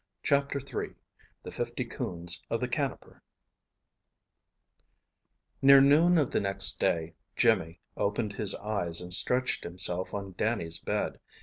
Chapter III THE FIFTY COONS OF THE CANOPER Near noon of the next day, Jimmy opened his eyes and stretched himself on Dannie's bed.